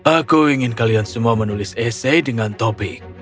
aku ingin kalian semua menulis esai dengan topik